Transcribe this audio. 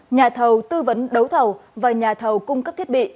nhà thầu tư vấn đấu thầu và nhà thầu cung cấp thiết bị